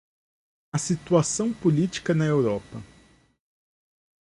A Situação Política na Europa